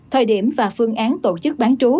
thời điểm và phương án tổ chức bán chú